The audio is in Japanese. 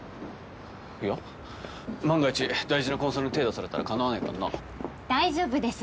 いや万が一大事なコンサルに手出されたらかなわないからな大丈夫です